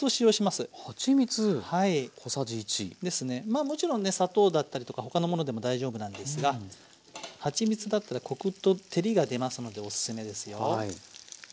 まあもちろんね砂糖だったりとか他のものでも大丈夫なんですがはちみつだったらコクと照りが出ますのでおすすめですよ。